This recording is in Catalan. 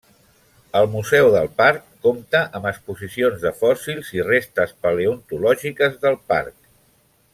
El museu del parc compta amb exposicions de fòssils i restes paleontològiques del parc.